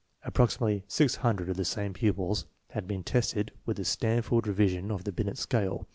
Ap proximately six hundred of the same pupils had been tested with the Stanford Revision of the Binet scale.